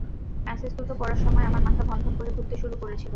Message দুটো পড়ার সময় আমার মাথা ভনভন করে ঘুরতে শুরু করেছিল।